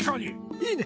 いいね！